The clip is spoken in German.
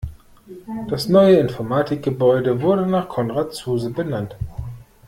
Das neue Informatikgebäude wurde nach Konrad Zuse benannt.